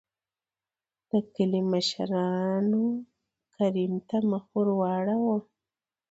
دکلي مشرانو کريم ته مخ ور ور واړو .